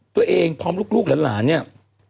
ตัวเองพร้อมลุกหลาเนี่ย